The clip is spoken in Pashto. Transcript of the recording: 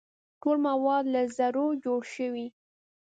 ټول مواد له ذرو جوړ شوي.